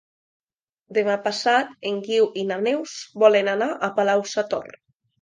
Demà passat en Guiu i na Neus volen anar a Palau-sator.